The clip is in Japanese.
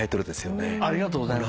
ありがとうございます。